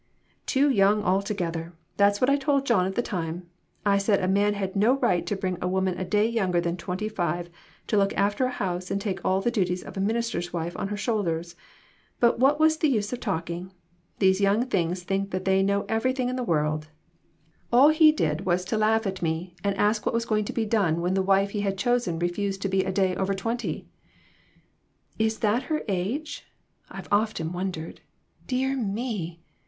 "Too young altogether; that's what I told John at the time. I said a man had no right to bring a woman a day younger than twenty five to look after a house and take all the duties of^ a minister's wife on her shoulders. But what was the use of talking ? These young things think they know everything in the world. All he did MORAL EVOLUTION. '145 was to laugh at me and ask what was going to be done when the wife he had chosen refused to be a day over twenty." "Is that her age? I've often wondered. Dear me